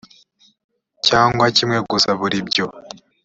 cyangwa kimwe gusa buri ibyo